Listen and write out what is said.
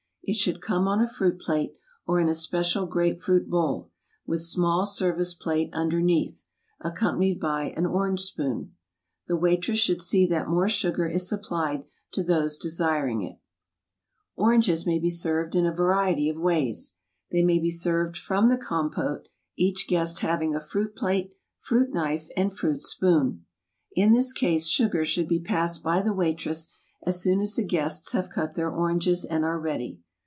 It should come on a fruit plate, or in a special grape fruit bowl, with small service plate underneath, accom panied by an orange spoon. The waitress should see that more sugar is supplied to those desir ing it. Oranges One type of old Salt Cellar [4i] Oranges may be served in a variety of ways. They may be served from the compote, each guest having a fruit plate, fruit knife, and fruit spoon. In this case sugar should be passed by the waitress, as soon as the guests have cut their oranges and are ready.